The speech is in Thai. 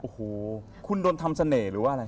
โอ้โหคุณโดนทำเสน่ห์หรือว่าอะไร